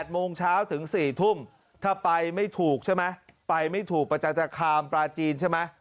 โมงเช้าถึง๔ทุ่มถ้าไปไม่ถูกใช่ไหมไปไม่ถูกประจันทคามปลาจีนใช่ไหม